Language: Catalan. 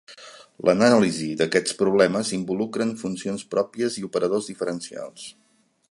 L'anàlisi d'aquests problemes involucren funcions pròpies i operadors diferencials.